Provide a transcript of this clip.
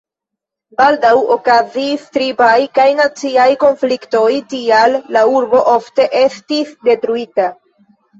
Baldaŭ okazis tribaj kaj naciaj konfliktoj, tial la urbo ofte estis detruita.